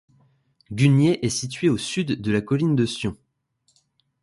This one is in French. Gugney est situé au sud de la colline de Sion.